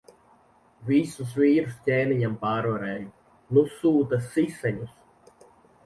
Visus vīrus ķēniņam pārvarēju. Nu sūta siseņus.